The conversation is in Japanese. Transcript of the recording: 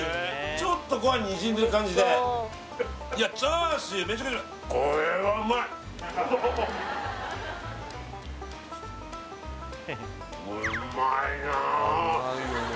ちょっとご飯ににじんでる感じでいやチャーシューめちゃくちゃこれはうまい！